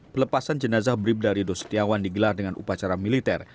pelepasan jenazah bribda rido setiawan digelar dengan upacara militer